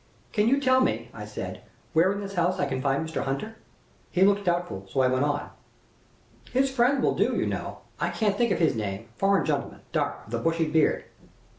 'Can you tell me,' I said, 'where in this house I can find Mr. Hunter?' He looked doubtful, so I went on: 'His friend will do, you know I can't think of his name; foreign gentleman, dark, with a bushy beard.'